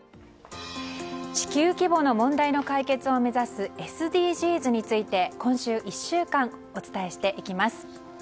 地球規模の問題の解決を目指すＳＤＧｓについて今週１週間お伝えしていきます。